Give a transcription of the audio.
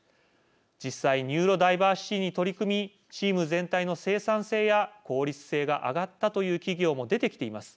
実際、ニューロダイバーシティに取り組みチーム全体の生産性や効率性が上がったという企業も出てきています。